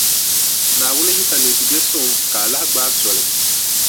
Naawuni yi sa neei ti biɛʼ suŋ ka a lahi gbaai soli.